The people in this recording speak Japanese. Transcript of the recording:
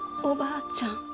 おばあちゃん